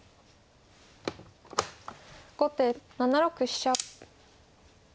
後手７六飛車。